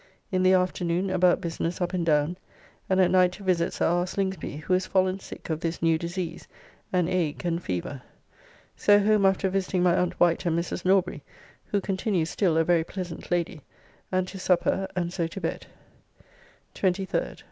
In the afternoon about business up and down, and at night to visit Sir R. Slingsby, who is fallen sick of this new disease, an ague and fever. So home after visiting my aunt Wight and Mrs. Norbury (who continues still a very pleasant lady), and to supper, and so to bed. 23rd.